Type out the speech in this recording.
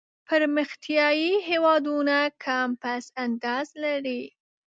پرمختیایي هېوادونه کم پس انداز لري.